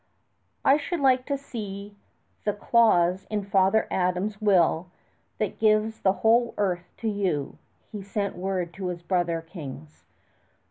"I should like to see the clause in Father Adam's will that gives the whole earth to you," he sent word to his brother kings.